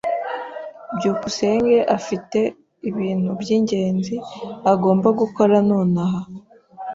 byukusenge afite ibintu byingenzi agomba gukora nonaha.